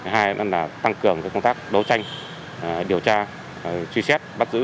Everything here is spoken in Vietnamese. hai là tăng cường công tác đấu tranh điều tra truy xét bắt giữ